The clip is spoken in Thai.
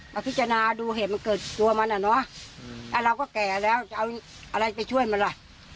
มาพิจารณาดูเหตุมันเกิดตัวมันอ่ะเนอะแล้วเราก็แก่แล้วจะเอาอะไรไปช่วยมันล่ะ